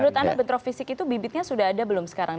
menurut anda bentrok fisik itu bibitnya sudah ada belum sekarang